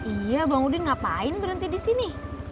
iya bang udin ngapain berhenti di sini